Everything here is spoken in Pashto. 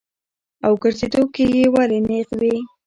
او ګرځېدو کښې ئې ولي نېغ وي -